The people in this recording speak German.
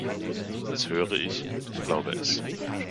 Das höre ich, und ich glaube es.